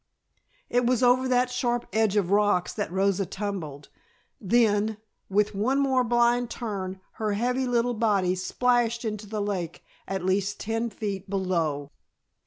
It was over that sharp edge of rocks that Rosa tumbled, then, with one more blind turn, her heavy little body splashed into the lake at least ten feet below!